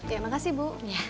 ya makasih bu